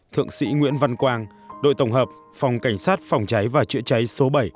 thượng sĩ nguyễn văn quang đội tổng hợp phòng cảnh sát phòng cháy và chữa cháy số bảy